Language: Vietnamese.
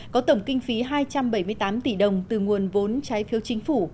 có tổng kinh phí hai trăm bảy mươi tám tỷ đồng từ nguồn vốn trái phiếu chính phủ